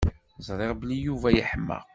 Ẓriɣ belli Yuba yeḥmeq.